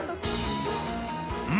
うん？